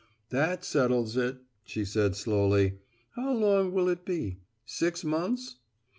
"That settles it," she said slowly. "How long will it be? Six months?"